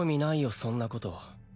そんなこと。